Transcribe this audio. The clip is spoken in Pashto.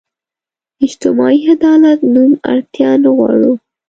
اجتماعي عدالت نوم اړتیا نه غواړو.